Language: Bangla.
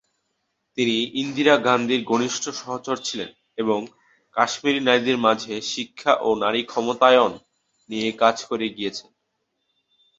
তিনি ইন্দিরা গান্ধীর ঘনিষ্ঠ সহচর ছিলেন এবং কাশ্মীরি নারীদের মাঝে শিক্ষা ও নারী ক্ষমতায়ন নিয়ে কাজ করে গিয়েছেন।